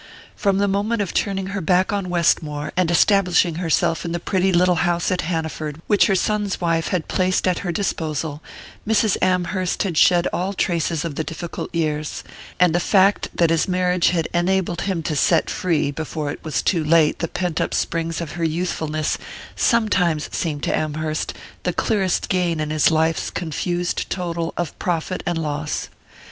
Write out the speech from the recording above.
From the moment of turning her back on Westmore, and establishing herself in the pretty little house at Hanaford which her son's wife had placed at her disposal, Mrs. Amherst had shed all traces of the difficult years; and the fact that his marriage had enabled him to set free, before it was too late, the pent up springs of her youthfulness, sometimes seemed to Amherst the clearest gain in his life's confused total of profit and loss.